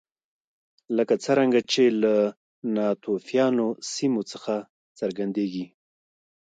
لکه څرنګه چې له ناتوفیانو سیمو څخه څرګندېږي